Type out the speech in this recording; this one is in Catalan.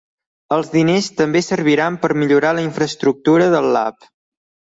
Els diners també serviran per millorar la infraestructura del lab.